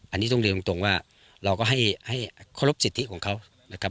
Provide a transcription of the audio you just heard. อันนี้ต้องเรียนตรงว่าเราก็ให้เคารพสิทธิของเขานะครับ